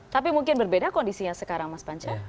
tapi mungkin berbeda kondisinya sekarang mas panca